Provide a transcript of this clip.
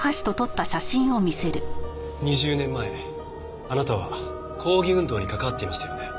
２０年前あなたは抗議運動に関わっていましたよね？